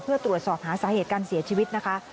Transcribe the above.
เพื่อตรวจสอบหาสาเหตุการเสียชีวิตนะคะ